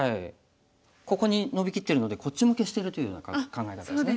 ここにノビきってるのでこっちも消してるというような考え方ですね。